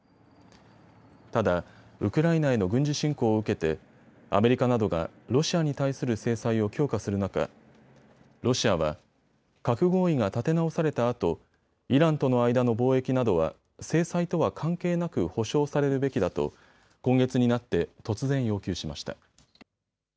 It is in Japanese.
ただ、ウクライナへの軍事侵攻を受けてアメリカなどがロシアに対する制裁を強化する中、ロシアは核合意が立て直されたあとイランとの間の貿易などは制裁とは関係なく保証されるべきだと今月になって突然、要求しました。